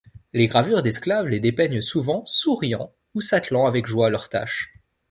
Les gravures d'esclaves les dépeignent souvent souriant ou s'attelant avec joie à leur tâche.